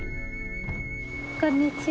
こんにちは。